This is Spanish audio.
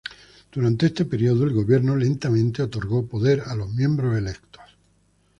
Durante este periodo, el gobierno lentamente otorgó poder a los miembros electos.